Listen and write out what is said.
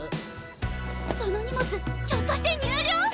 その荷物ひょっとして入寮！？